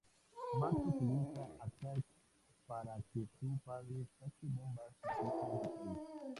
Max utiliza a Kate para que su padre saque bombas nucleares del país.